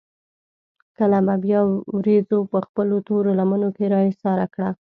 کله به بيا وريځو پۀ خپلو تورو لمنو کښې را ايساره کړه ـ